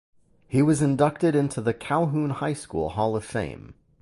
He was inducted into the Calhoun High School hall of fame.